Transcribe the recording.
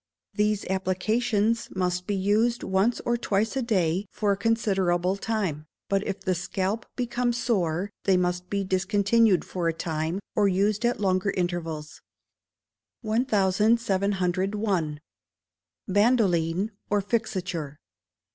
These applications must be used once or twice a day for a considerable time; but if the scalp become sore, they must be discontinued for a time, or used at longer intervals. 1701. Bandoline or Fixature.